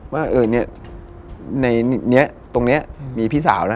ว่าเออตรงนี้มีพี่สาวนะ